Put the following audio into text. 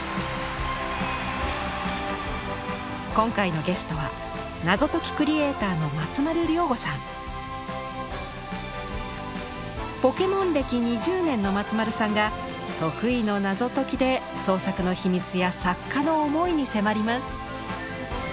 今回のゲストはポケモン歴２０年の松丸さんが得意の謎解きで創作の秘密や作家の思いに迫ります。